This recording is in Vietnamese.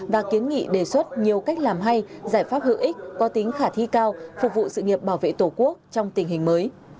và kiến nghị đề xuất nhiều cách làm hay giải pháp hữu ích có tính khả thi cao phục vụ sự nghiệp bảo vệ tổ quốc trong tình hình mới